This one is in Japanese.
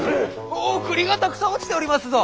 おおっ栗がたくさん落ちておりますぞ！